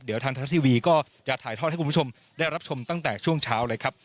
เดี๋ยวทางทรัฐทีวีก็จะถ่ายทอดให้คุณผู้ชมได้รับชมตั้งแต่ช่วงเช้าเลยครับ